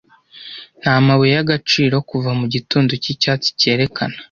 Nta mabuye y'agaciro - kuva mugitondo cyicyatsi cyerekana,